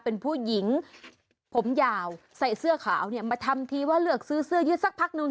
เป็นผู้หญิงผมยาวใส่เสื้อขาวเนี่ยมาทำทีว่าเลือกซื้อเสื้อยืดสักพักนึง